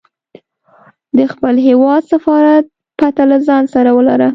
د خپل هیواد سفارت پته له ځانه سره ولره.